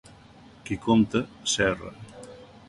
Qui compta, s'erra.